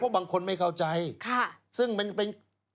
บางคนไม่เข้าใจซึ่งมันเป็น